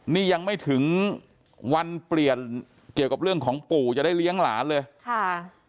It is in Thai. นี่ยังไม่ถึงวันเปลี่ยนเกี่ยวกับเรื่องของปู่จะได้เลี้ยงหลานเลยค่ะ